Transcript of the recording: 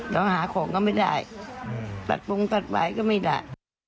เดี๋ยวหาของก็ไม่ได้ตัดปรุงตัดไว้ก็ไม่ได้